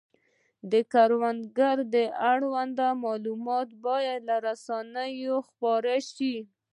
د کروندې اړوند معلومات باید له رسنیو خپاره شي.